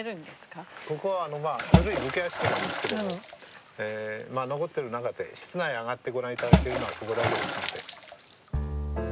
ここは古い武家屋敷なんですけども残ってる中で室内上がってご覧頂けるのはここだけですので。